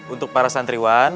untuk para santriwan